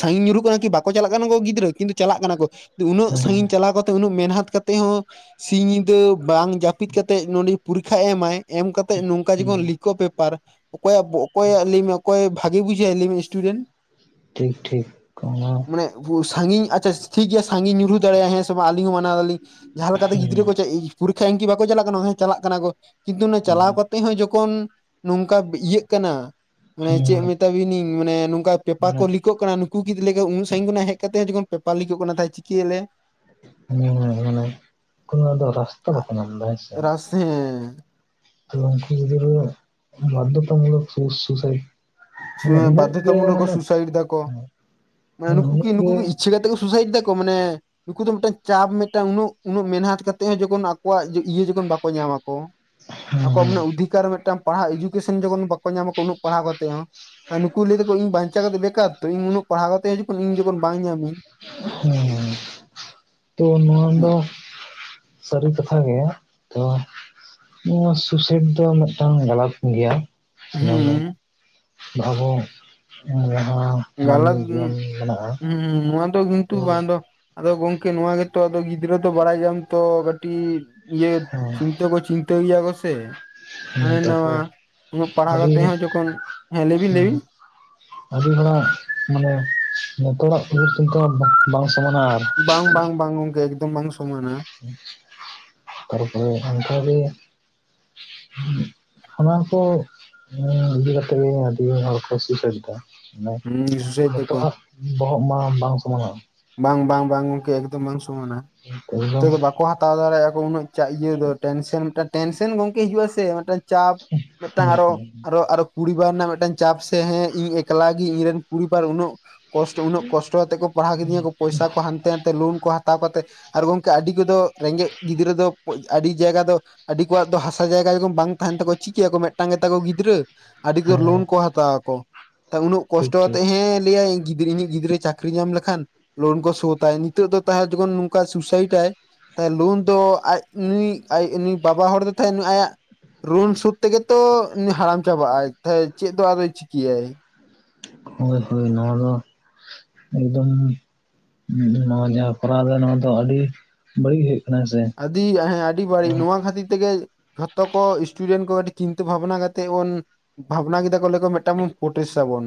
ᱥᱟᱹᱜᱤᱧ ᱧᱩᱨᱩᱜ ᱠᱟᱱᱟ ᱠᱤ ᱵᱟᱠᱚ ᱪᱟᱞᱟᱜ ᱠᱟᱱᱟ ᱠᱚ ᱜᱤᱫᱽᱨᱟᱹ ᱠᱤᱱᱛᱩ ᱪᱟᱞᱟᱜ ᱠᱟᱱᱟ ᱠᱚ, [unintelligible] ᱩᱱᱟᱹᱜ ᱦᱮᱸ ᱥᱟᱹᱜᱤᱧ ᱪᱟᱞᱟᱣ ᱠᱟᱛᱮ ᱩᱱᱟᱹᱜ ᱢᱮᱱᱦᱟᱛ ᱠᱟᱛᱮᱜ ᱦᱚᱸ ᱥᱤᱧ ᱧᱤᱫᱟᱹ ᱵᱟᱝ ᱡᱟᱹᱯᱤᱫ ᱠᱟᱛᱮ ᱱᱚᱰᱮ ᱯᱚᱨᱤᱠᱠᱷᱟ ᱮᱢᱟᱭ, ᱮᱢ ᱠᱟᱛᱮ ᱱᱚᱝᱠᱟ ᱡᱚᱠᱷᱚᱱ ᱦᱮᱸ ᱞᱤᱠ ᱠᱚ ᱯᱮᱯᱟᱨ ᱚᱠᱚᱭᱟᱜ ᱞᱟᱹᱭ ᱢᱮ ᱚᱠᱚᱭ ᱵᱷᱟᱜᱤ ᱵᱩᱡᱷᱟᱹᱣᱟᱭ ᱞᱟᱹᱭ ᱢᱮ ᱤᱥᱴᱩᱰᱮᱱᱴ᱾ ᱴᱷᱤᱠ ᱴᱷᱤᱠ ᱚ ᱢᱟᱱᱮ ᱥᱟᱸᱜᱤᱧ ᱟᱪᱪᱷᱟ ᱴᱷᱤᱠ ᱜᱮᱭᱟ ᱥᱟᱹᱜᱤᱧ ᱧᱩᱨᱦᱩ ᱫᱟᱲᱮᱭᱟᱜᱼᱟ, ᱦᱮᱸ ᱪᱮᱵᱟ ᱟᱹᱞᱤᱧ ᱦᱚᱸ ᱢᱟᱱᱟᱣ ᱫᱟᱞᱤᱧ ᱡᱟᱦᱟᱸ ᱞᱮᱠᱟᱛᱮ ᱜᱤᱫᱽᱨᱟᱹ ᱦᱮᱸ ᱠᱚ ᱪᱟ, ᱯᱚᱨᱤᱠᱠᱷᱟ ᱮᱢᱠᱤ ᱵᱟᱠᱚ ᱪᱟᱞᱟᱜ ᱠᱟᱱᱟ ᱱᱚᱜ-ᱚᱭ ᱪᱟᱞᱟᱜ ᱠᱟᱱᱟ ᱠᱚ᱾ ᱠᱤᱱᱛᱩ ᱚᱱᱮ ᱪᱟᱞᱟᱣ ᱦᱮᱸ ᱠᱟᱛᱮᱜ ᱦᱚᱸ ᱡᱚᱠᱷᱚᱱ ᱱᱚᱝᱠᱟ ᱤᱭᱟᱹᱜ ᱠᱟᱱᱟ᱾ ᱢᱟᱱᱮ ᱪᱮᱜ ᱢᱮᱛᱟ ᱦᱮᱸ ᱵᱤᱱᱤᱧ ᱢᱟᱱᱮ ᱱᱚᱝᱠᱟ ᱯᱮᱯᱟᱨ ᱠᱚ ᱞᱤᱠᱚᱜ ᱠᱟᱱᱟ ᱱᱩᱠᱩ ᱠᱤᱫ ᱞᱮᱠᱟ ᱩᱱᱟᱹᱜ ᱥᱟᱹᱜᱤᱧ ᱠᱷᱚᱱᱟᱜ ᱦᱮᱡ ᱠᱟᱛᱮ ᱦᱚᱸ ᱡᱚᱠᱷᱚᱱ ᱯᱮᱯᱟᱨ ᱞᱤᱠᱚᱜ ᱠᱟᱱᱟ, ᱛᱟᱭ ᱪᱤᱠᱟᱹᱭ ᱟᱞᱮ? [unintelligible] ᱢᱟᱱᱮ ᱠᱳᱱᱳ ᱟᱫᱚ ᱨᱟᱥᱛᱟ ᱵᱟᱠᱚ ᱧᱟᱢ ᱫᱟ ᱦᱮ ᱥᱮ᱾ ᱦᱮᱸ ᱛᱚ ᱩᱱᱠᱩ ᱜᱤᱫᱽᱨᱟᱹ ᱵᱟᱫᱫᱷᱚᱜ ᱛᱟ ᱠᱟᱱ ᱜᱮᱠᱚ ᱥᱩ ᱥᱩᱥᱟᱭᱤᱰ᱾ ᱢᱟᱱᱮ ᱦᱤᱱᱟᱹᱜ ᱵᱟᱫᱫᱷᱚᱛᱟ ᱜᱮ ᱢᱩᱞᱚᱠ ᱠᱚ ᱢᱟᱱᱮ ᱥᱩᱥᱟᱭᱤᱰ ᱫᱟᱠᱚ ᱢᱟᱱᱮ ᱱᱩᱠᱩ ᱠᱤ ᱦᱤᱱᱟᱹᱜ ᱱᱩᱠᱩ ᱜᱮ ᱠᱤ ᱤᱪᱪᱷᱟ ᱠᱟᱛᱮᱜ ᱠᱚ ᱥᱩᱥᱟᱭᱤᱰ ᱫᱟ ᱠᱚ, ᱢᱟᱱᱮ ᱱᱩᱠᱩ ᱫᱚ ᱢᱤᱜᱴᱟᱝ ᱪᱟᱯ ᱢᱤᱜᱴᱟᱝ ᱩᱱᱟᱹᱜ, ᱩᱱᱟᱹᱜ ᱢᱮᱦᱟᱱᱚᱛ ᱠᱟᱛᱮ ᱦᱚᱸ ᱡᱚᱠᱷᱚᱱ ᱟᱠᱚᱣᱟᱜ ᱡᱤ ᱤᱭᱟᱹ ᱡᱚᱠᱷᱚᱱ ᱵᱟᱠᱚ ᱧᱟᱢᱟ ᱠᱚ᱾ ᱦᱮᱸ ᱟᱠᱚᱣᱟᱜ ᱢᱟᱱᱮ ᱚᱫᱷᱤᱠᱟᱨ ᱢᱮᱜᱴᱟᱝ᱾ ᱯᱟᱲᱦᱟᱣ ᱮᱰᱩᱠᱮᱥᱚᱱ ᱡᱚᱠᱷᱚᱱ ᱵᱟᱠᱚ ᱧᱟᱢᱟᱠᱚ ᱩᱱᱟᱹᱜ ᱯᱟᱲᱦᱟᱣ ᱠᱟᱛᱮ ᱦᱚᱸ᱾ ᱟᱨ ᱱᱩᱠᱩ ᱞᱟᱹᱭ ᱫᱟᱠᱚ ᱤᱧ ᱵᱟᱧᱪᱟᱣ ᱠᱟᱛᱮ ᱵᱮᱠᱟᱨᱛᱚ, ᱤᱧ ᱱᱩᱱᱟᱹᱜ ᱯᱟᱲᱦᱟᱣ ᱠᱟᱛᱮ ᱦᱤᱡᱩᱜ ᱠᱟᱱᱟᱹᱧ ᱤᱧ ᱡᱚᱠᱷᱚᱱ ᱵᱟᱝ ᱧᱟᱢᱤᱧ᱾ ᱦᱮᱸ ᱛᱚ ᱱᱚᱣᱟ ᱫᱚ ᱥᱟᱹᱨᱤ ᱠᱟᱛᱷᱟ ᱜᱮ ᱛᱚ ᱱᱚᱣᱟ ᱥᱩᱥᱟᱭᱤᱴ ᱫᱚ ᱢᱮᱜᱴᱟᱝ ᱜᱟᱞᱟᱛ ᱠᱟᱱ ᱜᱮᱭᱟ᱾ ᱦᱩᱸ [inaudible] ᱜᱞᱟᱛ ᱡᱤᱭᱚᱱ ᱢᱮᱱᱟᱜᱼᱟ ᱱᱚᱣᱟ ᱫᱚ ᱠᱤᱱ ᱛᱩ ᱛᱚ ᱵᱟᱝᱫᱚ ᱟᱫᱚ ᱜᱚᱝᱠᱮ ᱱᱚᱣᱟ ᱜᱮᱛᱚ ᱟᱫ ᱜᱤᱫᱽᱨᱟᱹ ᱫᱚ ᱵᱟᱲᱟᱭ ᱜᱮᱭᱟᱢ ᱛᱚ ᱠᱟᱹᱴᱤᱡ ᱤᱭᱟᱹ ᱪᱤᱱᱛᱟᱹ ᱠᱚ ᱪᱤᱱᱛᱟᱹ ᱜᱮᱭᱟ ᱠᱚ ᱥᱮ ᱾ ᱦᱮᱸ ᱦᱟᱱᱟ ᱱᱟᱣᱟ ᱛᱟᱨᱯᱚᱨ ᱩᱱᱟᱹᱜ ᱯᱟᱲᱦᱟᱣ ᱟᱹᱰᱤ ᱠᱟᱛᱮ ᱦᱚᱸ ᱡᱚᱠᱷᱚᱱ ᱦᱮᱸ ᱞᱮᱵᱤᱱ ᱞᱮᱵᱤᱱ᱾ ᱟᱹᱰᱤ ᱦᱚᱲᱟᱜ ᱢᱟᱱᱮ ᱱᱮᱛᱚᱜᱟᱜ [inaudible] ᱵᱟᱝ ᱥᱚᱢᱟᱱᱟ᱾ ᱟᱨ ᱵᱟᱝ ᱵᱟᱝ ᱵᱟᱝ ᱜᱚᱝᱠᱮ ᱮᱠᱫᱚᱢ ᱵᱟᱝ ᱥᱚᱢᱟᱱᱟ ᱾ [inaudible] ᱟᱵᱟᱨ ᱠᱚ ᱱᱤᱭᱟᱹ ᱤᱫᱤ ᱠᱟᱛᱮᱜ ᱜᱮ ᱟᱹᱰᱤ ᱦᱚᱲᱠᱚ ᱥᱩᱥᱟᱭᱤᱴ ᱫᱟ ᱾ ᱱᱮ ᱦᱩᱸ ᱥᱩᱥᱟᱹᱭᱮᱫ ᱡᱚᱛᱚ ᱛᱮᱠᱚ ᱦᱚᱲᱟᱜ ᱵᱚᱦᱚᱜ ᱢᱟ ᱵᱟᱝ ᱥᱚᱢᱟᱱᱚᱜᱼᱟ ᱾ ᱵᱟᱝ ᱵᱟᱝ ᱵᱟᱝ ᱜᱚᱝᱠᱮ ᱮᱠᱫᱚᱢ ᱵᱟᱝ ᱥᱚᱢᱟᱱᱟ ᱡᱚᱛᱚ ᱮᱠᱫᱚᱢ ᱫᱚ ᱵᱟᱠᱚ ᱦᱟᱛᱟᱣ ᱫᱟᱲᱮᱭᱟᱜᱼᱟᱠᱚ ᱩᱱᱟᱹᱜ ᱪᱟᱜ ᱤᱭᱟᱹ ᱫᱚ ᱴᱮᱱᱥᱮᱱ ᱢᱤᱜᱴᱟᱝ ᱴᱮᱱᱥᱮᱱ ᱜᱚᱝᱠᱮ ᱦᱤᱡᱩᱜ-ᱟ ᱥᱮ ᱢᱮᱫᱴᱮᱡ ᱪᱟᱯ ᱢᱤᱫᱴᱟᱝ ᱦᱩᱸ ᱟᱨᱚ ᱦᱩᱸ ᱟᱨᱚ ᱟᱨᱚ ᱯᱚᱨᱤᱵᱟᱨ ᱨᱮᱱᱟᱜ ᱢᱤᱫᱴᱟᱝ ᱪᱟᱯ, ᱥᱮ ᱦᱮᱸ ᱤᱧ ᱮᱠᱞᱟ ᱜᱮᱤᱧ ᱤᱧᱨᱮᱱ ᱯᱚᱨᱤᱵᱟᱨ ᱩᱱᱟᱹᱜ ᱠᱚᱥᱴᱚ ᱩᱱᱟᱹᱜ ᱠᱚᱥᱴᱚ ᱠᱟᱛᱮ ᱠᱚ ᱯᱟᱲᱦᱟᱣ ᱠᱤᱫᱤᱧᱟ ᱠᱚ, ᱯᱚᱭᱥᱟ ᱠᱚ ᱦᱟᱸᱜ ᱦᱟᱱᱛᱮ ᱱᱟᱱᱛᱮ ᱞᱳᱱ ᱠᱚ ᱦᱟᱛᱟᱣ ᱠᱟᱛᱮᱫ, ᱟᱨ ᱜᱚᱝᱠᱮ ᱟᱹᱰᱤ ᱠᱚᱫᱚ ᱨᱮᱸᱜᱮᱡ ᱜᱤᱫᱽᱨᱟᱹ ᱫᱚ ᱟᱹᱰᱤ ᱡᱟᱭᱜᱟ ᱫᱚ ᱟᱹᱰᱤ ᱠᱚᱣᱟᱜ ᱫᱚ ᱦᱟᱥᱟ ᱡᱟᱭᱜᱟ ᱡᱚᱠᱷᱚᱱ ᱵᱟᱝ ᱛᱟᱦᱮᱱ ᱛᱟᱠᱚᱣᱟ ᱪᱤᱠᱟᱹᱭᱟᱠᱚ ᱢᱤᱫᱴᱟᱝ ᱜᱮᱛᱟᱠᱚ ᱜᱤᱫᱽᱨᱟᱹ᱾ ᱟᱹᱰᱤ ᱩᱛᱟᱹᱨ ᱦᱮᱸ ᱞᱳᱱ ᱠᱚ ᱦᱟᱛᱟᱣᱟᱠᱚ, ᱛᱟ ᱩᱱᱟᱹᱜ ᱴᱷᱤᱠ ᱴᱷᱤᱠ ᱠᱚᱥᱴᱚᱛᱮᱫ ᱦᱮᱸ ᱞᱟᱹᱭᱟᱭ ᱤᱧ ᱜᱤᱫᱽᱨᱟᱹ ᱤᱧ᱾ [unintelligible] ᱜᱤᱫᱽᱨᱟᱹ ᱪᱟᱹᱠᱨᱤ ᱧᱟᱢ ᱞᱮᱠᱷᱟᱱ ᱞᱳᱱ ᱠᱚ ᱥᱳᱫᱷᱟᱭ ᱱᱤᱛᱚᱜ ᱫᱚ [inaudible] ᱡᱚᱠᱷᱚᱱ ᱱᱚᱝᱠᱟ ᱥᱩᱭᱥᱟᱭᱤᱴᱟᱭ ᱞᱳᱱ ᱫᱚ ᱟᱡ ᱱᱩᱭ ᱱᱩᱭ ᱵᱟᱵᱟ ᱦᱚᱲ ᱫᱚ ᱛᱟᱦᱮ ᱟᱭᱟᱜ ᱨᱩᱢ ᱥᱩᱫ ᱛᱮᱜᱮ ᱛᱚ ᱦᱟᱲᱟᱢ ᱪᱟᱵᱟᱜᱼᱟ ᱪᱮᱫ ᱫᱚ ᱟᱫᱚᱭ ᱪᱤᱠᱟᱹᱭᱟᱭ, ᱦᱳᱭ ᱦᱩᱭ ᱱᱚᱣᱟ ᱫᱚ ᱮᱠᱫᱚᱢ ᱱᱚᱣᱟ ᱠᱚᱨᱟᱣ ᱫᱚ ᱱᱚᱣᱟ ᱫᱚ ᱟᱹᱰᱤ ᱵᱟᱹᱲᱤᱡ ᱦᱩᱭᱩᱜ ᱠᱟᱱᱟ ᱥᱮ ᱟᱹᱰᱤ ᱦᱮᱸ ᱟᱹᱰᱤ ᱵᱟᱹᱲᱤᱡ ᱱᱚᱣᱟ ᱠᱷᱟᱹᱛᱤᱨ ᱛᱮᱜᱮ ᱡᱷᱚᱛᱚ ᱠᱚ ᱥᱴᱩᱰᱮᱱᱴ ᱠᱚ ᱠᱟᱹᱴᱤᱪ ᱪᱤᱱᱛᱟᱹ ᱵᱷᱟᱵᱱᱟ ᱠᱟᱛᱮ ᱵᱚᱱ ᱵᱷᱟᱵᱱᱟ ᱠᱮᱫᱟ ᱠᱚ ᱢᱤᱫᱴᱟᱝ ᱵᱩᱱ ᱯᱚᱴᱤᱥᱟ ᱵᱚᱱ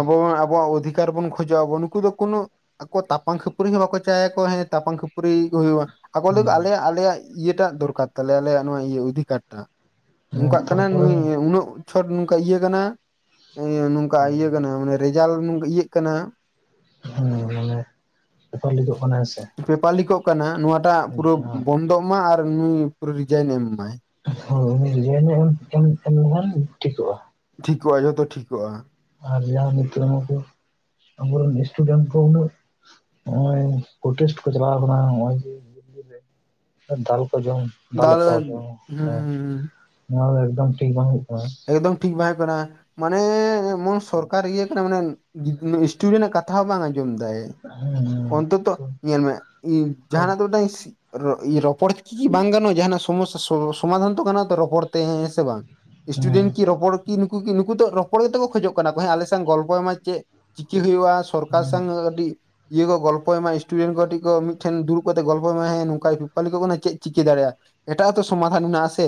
ᱟᱵ ᱟᱵᱚᱣᱟᱜ ᱩᱫᱷᱤᱠ ᱵᱮᱠᱟᱨ ᱵᱚᱱ ᱠᱷᱚᱡ ᱟᱣᱟᱵᱱ ᱱᱩᱠᱩ ᱫᱚ ᱠᱳᱱᱚ ᱟᱠᱚ ᱛᱟᱯᱟᱢ ᱠᱷᱟᱹᱯᱩᱨᱤ ᱦᱚᱸ ᱵᱟᱠᱚ ᱪᱟᱭ ᱟᱠᱚ ᱦᱮᱸ ᱛᱟᱯᱟᱢ ᱠᱷᱟᱹᱯᱩᱨᱤ ᱦᱩᱭᱩᱜᱼᱟ᱾ ᱟᱠᱚ ᱞᱟᱹᱭ ᱟᱠᱚ ᱟᱞᱮ ᱟᱞᱮᱭᱟᱜ ᱤᱭᱟᱹᱴᱟᱜ ᱫᱚᱨᱠᱟᱨ ᱛᱟᱞᱮᱭᱟ ᱟᱞᱮᱭᱟᱜ ᱱᱚᱣᱟ ᱚᱫᱷᱤᱠᱟᱨ ᱴᱟᱜ ᱾ ᱦᱮᱸ ᱱᱚᱝᱠᱟᱜ ᱠᱟᱱᱟ ᱛᱟᱨᱯᱚᱨᱮ ᱱᱩᱭ ᱩᱱᱟᱹᱜ ᱪᱷᱚᱴ ᱱᱚᱝᱠᱟ ᱤᱭᱟᱹ ᱠᱟᱱᱟ ᱮᱸ ᱚᱱᱠᱟ ᱤᱭᱟᱹ ᱠᱟᱱᱟ ᱢᱟᱱᱮ ᱨᱮᱡᱟᱞᱴ ᱤᱭᱟᱹᱜ ᱠᱟᱱᱟ ᱦᱮᱸ ᱢᱟᱱᱮ ᱵᱮᱯᱟᱨ ᱞᱤᱠᱚᱜ ᱠᱟᱱᱟ ᱦᱮᱸ ᱥᱮ ᱯᱮᱯᱟᱨᱞᱤᱠᱚᱜ ᱠᱟᱱᱟ ᱱᱚᱣᱟ ᱴᱟᱜ ᱯᱩᱨᱟᱹ ᱵᱚᱱᱫᱚᱜ ᱢᱟ ᱟᱨ ᱱᱩᱭ ᱯᱩᱨᱟᱹ ᱨᱤᱡᱟᱭᱤᱱ ᱮᱢ ᱢᱟᱭ, [inaudible] ᱴᱷᱤᱠᱚᱜᱼᱟ ᱡᱷᱚᱛᱚ ᱴᱷᱤᱠᱚᱜᱼᱟ ᱾ ᱟᱨ ᱡᱟᱦᱟᱸ ᱱᱤᱛᱚᱜ ᱱᱠᱩ ᱟᱵᱚᱨᱮᱱ ᱥᱴᱩᱰᱮᱱᱴ ᱠᱚ ᱩᱱᱟᱹᱜ [inaudible] ᱫᱟᱞᱮᱫ ᱫᱟᱞ ᱠᱚᱣᱟ ᱠᱚ ᱦᱩᱸ ᱦᱮᱸ ᱱᱚᱣᱟ ᱫᱚ ᱮᱠᱫᱚᱢ ᱴᱷᱤᱠ ᱵᱟᱝ ᱦᱩᱭᱩᱜ ᱠᱟᱱᱟ᱾ ᱮᱠᱫᱚᱢ ᱴᱷᱤᱠ ᱵᱟᱭ ᱦᱩᱭᱩᱜ ᱠᱟᱱᱟ, ᱢᱟᱱᱮ ᱮᱢᱚᱱ ᱥᱚᱨᱠᱟᱨ ᱤᱭᱟᱹ ᱠᱟᱱᱟ ᱢᱟᱱᱮ ᱥᱴᱩᱰᱮᱱᱴ ᱟ ᱠᱟᱛᱷᱟ ᱦᱚᱸ ᱵᱟᱝ ᱟᱸᱡᱚᱢ ᱮᱫᱟᱭ, ᱚᱱᱛᱚ ᱛᱚ ᱧᱮᱞ ᱢᱮ ᱡᱟᱦᱱᱟᱜ ᱫᱚ ᱢᱤᱫᱴᱟᱝ ᱯᱚᱨᱮ ᱠᱤ ᱵᱟᱝ ᱜᱟᱱᱚᱜᱼᱟ ᱡᱟᱦᱱᱟᱜ ᱥᱚᱢᱚᱥᱥᱟ ᱥᱚᱢᱟᱷᱟᱱ ᱛᱚ ᱜᱟᱱᱳᱟ ᱛᱚ ᱨᱚᱯᱚᱲ ᱛᱮ ᱦᱮᱸᱸ ᱥᱮ ᱵᱟᱝ, ᱥᱴᱩᱰᱮᱱᱴ ᱠᱤ ᱨᱚᱯᱚᱲ ᱱᱩᱠᱩ ᱠᱤ ᱱᱩᱠᱩ ᱫᱚ ᱨᱚᱯᱚᱲ ᱜᱮᱛᱮ ᱠᱚ ᱠᱷᱚᱡᱚᱜ ᱠᱟᱱᱟ ᱦᱮᱸ ᱟᱞᱮ ᱥᱟᱝ ᱜᱚᱞᱯᱚᱭ ᱢᱟᱭ ᱪᱮᱫ ᱪᱤᱠᱤ ᱦᱩᱭᱩᱜᱼᱟ᱾ ᱥᱚᱨᱠᱟᱨ ᱥᱟᱸᱜ ᱟᱹᱰᱤ ᱤᱭᱟᱹ ᱠᱚ ᱜᱚᱞᱯᱚᱭ ᱢᱟ ᱤᱥᱴᱩᱰᱮᱱᱴ ᱠᱚᱴᱤᱡ ᱠᱚ ᱢᱤᱫᱴᱷᱮᱱ ᱫᱩᱲᱩᱵ ᱠᱟᱛᱮᱜ ᱜᱚᱞᱯᱚᱭ ᱢᱟ ᱦᱮ ᱱᱚᱝᱠᱟ ᱯᱮᱯᱟᱞᱤᱠ ᱠᱚ ᱠᱟᱱᱟ ᱪᱮᱫ ᱪᱤᱠᱟᱹ ᱫᱟᱲᱮᱭᱟᱜᱼᱟ᱾ ᱮᱴᱟᱜ-ᱟ ᱦᱚ ᱛᱚ ᱥᱚᱢᱟᱫᱷᱟᱱ ᱢᱮᱱᱟᱜ- ᱟ ᱥᱮ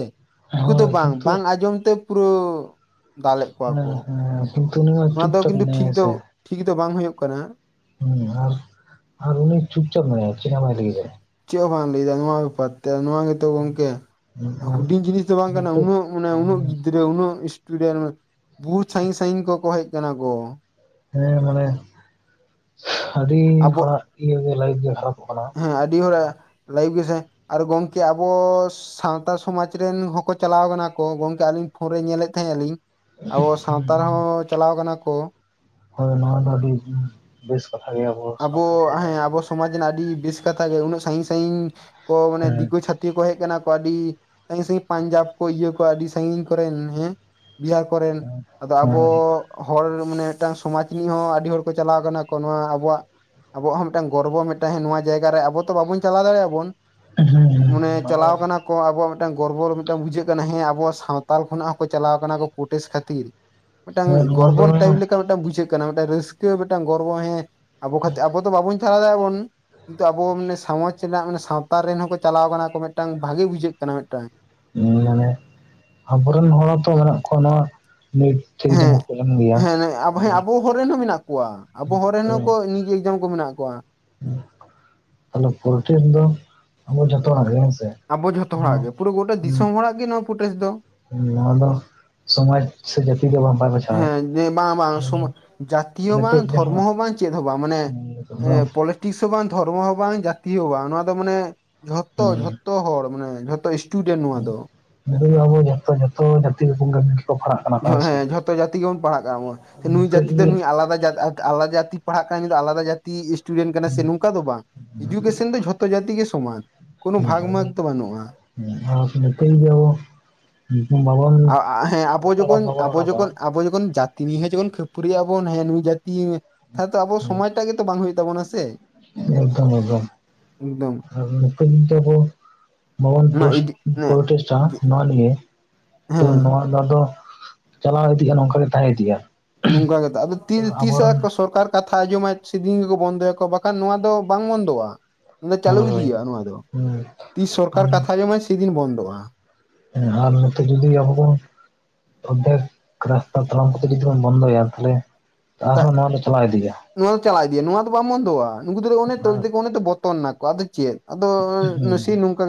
ᱩᱱᱠᱩ ᱫᱚ ᱦᱳᱭ ᱵᱟᱝ ᱠᱤᱱᱛᱩ ᱵᱟᱝ ᱟᱸᱡᱚᱢ ᱛᱮ ᱯᱩᱨᱟᱹ ᱫᱟᱞᱮᱫ ᱠᱚᱣᱟ ᱠᱚ [unintelligible] ᱱᱚᱣᱟ ᱫᱚ ᱠᱤᱱᱛᱩ ᱢᱮᱱᱟᱭᱟ ᱴᱷᱤᱠ ᱦᱮᱸ ᱫᱚ ᱥᱮ ᱴᱷᱤᱠ ᱫᱚ ᱵᱟᱝ ᱦᱩᱭᱩᱜ ᱠᱟᱱᱟ᱾ ᱦᱩᱸ ᱟᱨ ᱟᱨ ᱩᱱᱤ ᱪᱩᱯᱪᱟᱯ ᱢᱮᱱᱟᱭᱟ ᱪᱮᱫ ᱦᱚᱸ ᱵᱟᱭ ᱞᱟᱹᱜᱤᱫᱟᱭ ᱪᱮᱫ ᱦᱚᱸ ᱞᱟᱹᱭᱫᱟᱭ ᱱᱚᱣᱟ ᱵᱮᱯᱟᱨ ᱛᱮ ᱱᱚᱣᱟ᱾ ᱛᱚ ᱜᱚᱝᱠᱮ ᱦᱩᱰᱤᱧ ᱡᱤᱱᱤᱥ ᱫᱚ ᱵᱟᱝ ᱠᱟᱱᱟ ᱱᱤᱛᱚᱜ ᱩᱱᱟᱹᱜ ᱢᱟᱱᱮ ᱩᱱᱟᱹᱜ ᱜᱤᱫᱽᱨᱟᱹ ᱩᱱᱟᱹᱜ ᱤᱥ ᱴᱩᱰᱮᱱ ᱵᱚᱦᱩᱛ ᱥᱟᱸᱜᱤᱧ ᱥᱟᱸᱜᱤᱧ ᱠᱚᱠᱚ ᱦᱮᱡ ᱟᱠᱟᱱᱟ ᱠᱚ ᱦᱮᱸ ᱢᱟᱱᱮ ᱟᱹᱰᱤ ᱟᱵᱚ ᱦᱚᱲᱟᱜ ᱤᱭᱟᱹ ᱜᱮ ᱞᱟᱭᱤᱯᱷ ᱜᱮ ᱠᱷᱟᱨᱟᱯᱚᱜ ᱠᱟᱱᱟ᱾ ᱦᱮᱸ ᱟᱹᱰᱤ ᱦᱚᱲᱟᱜ ᱞᱟᱹᱭᱤᱵ ᱜᱮ ᱥᱮ ᱟᱨ ᱜᱚᱢᱠᱮ ᱟᱵᱚᱥ ᱥᱟᱶᱛᱟ ᱥᱚᱢᱟᱡᱽ ᱨᱮᱱ ᱦᱚᱸᱠᱚ ᱪᱟᱞᱟᱣ ᱠᱟᱱᱟ ᱠᱚ ᱜᱚᱢᱠᱮ ᱟᱹᱞᱤᱧ ᱯᱷᱳᱱ ᱨᱮ ᱧᱮᱞᱮᱫ ᱛᱟᱦᱮᱸᱱᱟ ᱞᱤᱧ ᱟᱵᱚ ᱥᱟᱶᱛᱟᱲ ᱦᱚᱸ ᱪᱟᱞᱟᱣ ᱠᱟᱱᱟ ᱠᱚ ᱦᱳᱭ ᱱᱚᱣᱟ ᱫᱚ ᱟᱹᱰᱤ ᱵᱮᱥ ᱠᱟᱛᱷᱟ ᱜᱮ ᱟᱵᱚ ᱥᱟᱶᱛᱟ ᱠᱚᱨᱮᱱᱜ ᱠᱚᱫᱚ ᱮᱱᱟ ᱟᱹᱰᱤ ᱵᱮᱥ ᱠᱟᱛᱷᱟ ᱜᱮ ᱩᱱᱟᱹᱜ ᱥᱟᱸᱜᱤᱧ ᱥᱟᱸᱜᱤᱧ ᱠᱚ ᱢᱟᱱ ᱫᱤᱠᱩ ᱪᱟᱹᱛ ᱛᱤ ᱠᱚ ᱦᱮᱡ ᱟᱠᱟᱱᱟ ᱠᱚ ᱟᱹᱰᱤ ᱥᱟᱸᱜᱤᱧ ᱥᱟᱸᱜᱤᱧ ᱯᱟᱧᱡᱟᱵ ᱠᱚ ᱤᱭᱟᱹ ᱠᱚᱣᱟ ᱟᱹᱰᱤ ᱥᱟᱸᱜᱤᱧ ᱠᱚᱨᱮᱱ ᱦᱮᱸ ᱵᱤᱦᱟᱨ ᱠᱚᱨᱮᱱ ᱟᱫᱚ ᱦᱮᱸ ᱟᱵᱚ ᱦᱚᱲ ᱢᱟᱱᱮ ᱢᱤᱫᱴᱟᱱ ᱥᱚᱢᱟᱡᱽ ᱨᱤᱱᱤᱡ ᱦᱚᱸ ᱟᱹᱰᱤ ᱦᱚᱲ ᱠᱚ ᱪᱟᱞᱟᱣ ᱠᱟᱱᱟ ᱠᱚ ᱱᱚᱣᱟ ᱟᱵᱚᱣᱟᱜ ᱟᱵᱚᱣᱟᱜ ᱦᱚᱸ ᱢᱤᱫᱴᱟᱝ ᱜᱚᱨᱵᱚ ᱢᱮ ᱴᱦᱮᱸ ᱱᱚᱣᱟ ᱡᱟᱭᱜ ᱡ ᱟᱵᱚ ᱛᱚ ᱵᱟᱵᱚᱱ ᱪᱟᱞᱟᱣ ᱫᱟᱲᱮᱭᱟᱜ ᱵᱚᱱ ᱦᱮᱸ ᱢᱟᱱᱮ ᱪᱟᱞᱟᱣ ᱠᱟᱱᱟ ᱠᱚ ᱟᱵᱚ ᱢᱤᱫᱴᱟᱝ ᱜᱚᱨᱵᱚ ᱢᱤᱫᱴᱟᱝ ᱵᱩᱡᱷᱟᱹᱜ ᱠᱟᱱᱟ ᱦᱮᱸ ᱟᱵᱚ ᱥᱟᱶᱛᱟᱞ ᱠᱷᱚᱱᱟᱜ ᱦᱚᱸᱠᱚ ᱪᱟᱞᱟᱣ ᱠᱟᱱᱟ ᱯᱩᱨᱴᱮᱥᱴ ᱠᱷᱟᱹᱛᱤᱨ ᱢᱤᱫᱴᱟᱝ ᱦᱮᱸ ᱱᱚᱣᱟ ᱫᱚ ᱜᱚᱨᱚᱵᱚᱞ ᱴᱟᱭᱤᱯ ᱞᱮᱠᱟ ᱢᱤᱫᱴᱟᱝ ᱵᱩᱡᱷᱟᱹᱜ ᱠᱟᱱᱟ ᱢᱤᱫᱴᱟᱝ ᱨᱟᱹᱥᱠᱟᱹ ᱢᱤᱫᱴᱟᱝ ᱜᱚᱨᱵᱚ ᱦᱮᱸ ᱟᱵᱚ ᱠᱷᱟᱹ ᱟᱵᱚ ᱫᱚ ᱵᱟᱵᱚᱱ ᱪᱷᱟᱞᱟᱣ ᱫᱟᱭᱟᱵᱚᱱ ᱠᱤᱱᱛᱩ ᱟᱵᱚ ᱢᱟᱱᱮ ᱥᱚᱢᱟᱡᱽ ᱨᱮᱱᱟᱜ ᱢᱟᱱᱮ ᱥᱟᱶᱛᱟ ᱨᱮᱱ ᱦᱚᱸᱠᱚ ᱪᱟᱞᱟᱣ ᱠᱟᱱᱟ ᱠᱚ ᱢᱤᱫᱴᱟᱝ ᱵᱷᱟᱜᱮ ᱵᱩᱡᱷᱟᱹᱜ ᱠᱟᱱᱟ ᱢᱤᱫᱴᱟᱝ ᱦᱮ ᱡᱟᱱᱮ ᱟᱵᱚᱨᱮᱱ ᱦᱚᱲ ᱦᱚᱛᱚ ᱢᱮᱱᱟᱜ ᱠᱚᱣᱟ ᱱᱚᱣᱟ ᱢᱤᱫ ᱴᱷᱤᱠ ᱦᱮᱸ ᱡᱚᱢᱟᱜ ᱠᱚ ᱡᱟᱢᱟ᱾ ᱦᱮᱸ ᱱᱮᱜ ᱟᱵᱚ ᱦᱮᱸ ᱟᱵᱚ ᱦᱚᱨᱮᱱ ᱦᱚᱸ ᱢᱮᱱᱟᱜ ᱠᱚᱣᱟ ᱟᱵᱚ ᱦᱚᱲ ᱨᱮᱱ ᱦᱚᱠᱚ ᱱᱤᱡ ᱮᱠᱡᱟᱢ ᱠᱚ ᱢᱮᱱᱟᱜ ᱠᱚᱣᱟ᱾ ᱟᱫᱚ ᱯᱚᱨᱴᱮᱥ ᱫᱚ ᱟᱵᱚ ᱡᱚᱛᱚ ᱦᱚᱲᱟᱜ ᱜᱮ ᱦᱮᱸ ᱥᱮ ᱟᱵᱚ ᱡᱷᱚᱛᱚ ᱦᱚᱲᱟᱜ ᱜᱮ ᱯᱩᱨᱟᱹ ᱜᱚᱴᱟ ᱫᱤᱥᱚᱢ ᱦᱚᱲᱟᱜ ᱜᱮ ᱱᱚᱣᱟ ᱯᱩᱴᱮᱥ ᱫᱚ ᱱᱚᱣᱟ ᱫᱚ ᱥᱚᱢᱟᱡᱽ ᱥᱮ ᱡᱟᱹᱛᱤ ᱫᱚ ᱵᱟᱭ ᱵᱟᱪᱷᱟᱣᱟᱭ ᱦᱮᱸ ᱫᱮ ᱵᱟᱝ ᱵᱟᱝ ᱥᱚᱢ ᱡᱟᱛᱤ ᱦᱚᱸ ᱵᱟᱝ ᱱᱤᱛᱚᱜ ᱫᱷᱚᱨᱢᱚ ᱡᱟᱦᱟᱸ ᱦᱚᱸ ᱵᱟᱝ ᱪᱮᱫ ᱦᱚᱸ ᱵᱟᱝ ᱢᱟᱱᱮ ᱱᱤᱛᱚᱜ ᱫᱚ ᱮᱸ ᱯᱚᱞ ᱛᱤᱥᱦᱚᱸ ᱵᱟᱝ ᱫᱷᱚᱨᱢᱚ ᱦᱚᱸ ᱵᱟᱝ ᱡᱟᱛᱤ ᱦᱚᱸ ᱵᱟᱝ ᱱᱚᱣᱟ ᱫᱚ ᱢᱟᱱᱮ ᱡᱷᱚᱛᱚ ᱡᱷᱚᱛᱚ ᱦᱚᱲ ᱢᱟᱱᱮ ᱡᱷᱚᱛᱚ ᱤᱥᱴ ᱴᱩᱰᱮᱱᱴ ᱱᱚᱣᱟ ᱫᱚ ᱱᱤᱛᱚᱜ ᱜᱮ ᱟᱵᱚ ᱡᱚᱛᱚ ᱡᱚᱛᱚ ᱡᱟᱹᱛᱤ ᱨᱮ ᱥᱚᱸᱜᱮ ᱛᱮ ᱜᱤᱠᱚ ᱯᱟᱲᱟᱜᱼᱟ᱾ ᱦᱳᱭ ᱦᱮᱸ ᱡᱷᱚᱛᱚ ᱡᱟᱹᱛᱤ ᱜᱮᱵᱚᱱ ᱯᱟᱲᱦᱟᱜ ᱠᱟᱱᱟ ᱵᱚᱱ ᱱᱩᱭ ᱱᱤᱛᱚᱜ ᱡᱟᱹᱛᱤ ᱫᱚ ᱡᱩᱫᱤ ᱱᱩᱭ ᱟᱞᱟᱫᱟ ᱡᱟᱫᱟᱜ ᱠᱟᱜ-ᱟ ᱟᱞᱟ ᱡᱟᱹᱛᱤᱠ ᱯᱟᱲᱦᱟᱜ ᱠᱟᱱᱟ ᱱᱩᱭᱫᱚ ᱟᱞᱟᱫᱟ ᱡᱟᱹᱛᱤ ᱤᱥᱴᱩᱰᱮᱱᱴ ᱠᱟᱱᱟ ᱥᱮ ᱱᱚᱝᱠᱟ ᱫᱚ ᱵᱟᱝ ᱮᱡᱩᱠᱮᱥᱚᱱ ᱫᱚ ᱡᱷᱚᱛᱚ ᱡᱟᱹᱛᱤ ᱜᱮ ᱥᱚᱢᱟᱱ ᱠᱳᱱᱳ ᱵᱷᱟᱜᱽ ᱡᱚᱦᱟᱨ ᱢᱟᱜᱽ ᱫᱚ ᱵᱟᱹᱱᱩᱜᱼᱟ ᱜᱚᱝᱠᱮ ᱱᱩᱜᱤᱱᱧ ᱜᱤᱭᱚ ᱧᱩᱛᱩᱢ ᱵᱟᱵᱚᱱ ᱟ ᱟ ᱦᱮᱸ ᱟᱵᱚ ᱠᱟᱛᱷᱟ ᱵᱟᱢ ᱡᱚᱜᱚᱱ ᱵᱟᱵᱚᱱ ᱟᱵᱚ ᱨᱟᱠᱟᱵᱟ ᱡᱚᱠᱷᱚᱱ ᱟᱵᱚ ᱡᱚᱠᱷᱚᱱ ᱡᱟᱛ ᱛᱤᱱᱤ ᱦᱟᱹ ᱡᱮᱵᱚᱱ ᱠᱷᱟᱹᱯᱟᱹᱨᱤᱭᱟᱹ ᱟᱵᱚᱱ ᱦᱮᱸ ᱱᱩᱭ ᱡᱟᱹᱛᱤ ᱛᱟᱦᱮ ᱛᱚ ᱟᱵᱚ ᱦᱮᱸ ᱥᱚᱢᱚᱭᱴᱟᱜ ᱜᱮᱛᱚ ᱵᱟᱝ ᱦᱩᱭᱩᱜ ᱛᱟᱵᱚᱱᱟ ᱥᱮ ᱮᱠᱫᱚᱢ ᱮᱠᱫᱚᱢ ᱮᱠᱫᱚᱢ ᱟᱨ ᱱᱩᱠᱟᱹᱧ ᱛᱮᱵᱚᱱ ᱵᱟᱵᱚᱱ ᱚᱱᱟ ᱯᱚᱥ ᱤᱰᱤ ᱚᱱᱟ ᱯᱚᱨᱚᱴᱮᱥ ᱟ ᱱᱚᱣᱟᱱ ᱜᱮ ᱛᱚ ᱦᱮᱸ ᱱᱚᱣᱟ ᱫᱚ ᱟᱫᱚ ᱪᱟᱞᱟᱣ ᱤᱫᱤᱜᱼᱟ ᱱᱚᱝᱠ ᱜᱮ ᱛᱟᱦᱮᱸ ᱤᱫᱤᱜᱼᱟ᱾ ᱱᱚᱝᱠᱟ ᱠᱟᱫᱟᱜᱼᱟ ᱛᱚ ᱛᱤᱨᱮ ᱛᱤᱥ ᱮ ᱟ ᱟᱵᱚᱨᱮᱱ ᱠᱚ ᱥᱚᱨᱠᱟᱨ ᱠᱟᱛᱷᱟ ᱟᱸᱡᱚᱢᱟ ᱥᱮᱫᱤᱱ ᱜᱮᱠᱚ ᱵᱚᱱᱫᱚᱭᱟ ᱵᱟᱠᱷᱟᱱ ᱱᱚᱣᱟ ᱫᱚ ᱵᱟᱝ ᱵᱚᱱᱫᱚᱜᱼᱟ᱾ ᱚᱱᱟ ᱪᱟᱹᱞᱩ ᱦᱳᱭ ᱦᱳᱭ ᱤᱫᱤᱭᱟ ᱱᱚᱣᱟ ᱫᱚ ᱛᱤᱥ ᱥᱚᱨᱠᱟᱨ ᱦᱩᱸ ᱠᱟᱛᱷᱟ ᱟᱡᱚᱢᱟᱭ ᱥᱮᱫᱤᱱ ᱵᱚᱱᱫᱚᱜᱼᱟ ᱾ ᱦᱮᱸ ᱟᱨ ᱱᱚᱛᱮ ᱡᱩᱫᱤ ᱟᱵᱚ ᱵᱚᱱ ᱚᱫᱷᱮᱠ [unintelligible] ᱱᱤᱛᱚᱜ ᱡᱩᱫᱤ ᱵᱚᱱ ᱵᱚᱱᱫᱚᱭᱟ ᱛᱷᱟᱞᱮ ᱟᱨᱦᱚᱸ ᱱᱚᱣᱟ ᱫᱚ ᱪᱟᱞᱟᱣ ᱤᱫᱤᱜᱼᱟ ᱾ ᱱᱚᱣᱟ ᱫᱚ ᱪᱟᱞᱟᱣ ᱤᱫᱤᱭᱟ ᱱᱚᱣᱟ ᱫᱚ ᱵᱟᱢ ᱵᱚᱱᱫᱚᱜᱼᱟ ᱱᱩᱠᱩ ᱫᱚ ᱟᱨ ᱚᱱᱮᱛᱚ [inaudible] ᱵᱚᱛᱚᱨ ᱱᱟᱠᱚ ᱟᱫᱚ ᱪᱮᱜ? ᱟᱫᱚ ᱦᱩᱸ ᱱᱟᱥᱤ ᱱᱚᱝᱠᱟ